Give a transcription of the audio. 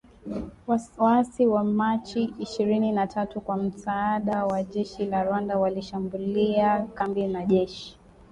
waasi wa Machi ishirini na tatu kwa msaada wa jeshi la Rwanda, walishambulia kambi za jeshi